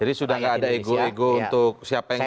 jadi sudah tidak ada ego ego untuk siapa yang sihat